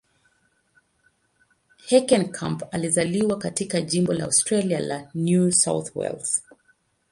Heckenkamp alizaliwa katika jimbo la Australia la New South Wales.